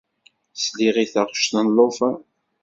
Sliɣ i taɣect n llufan.